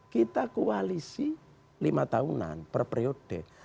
kita koalisi lima tahunan per periode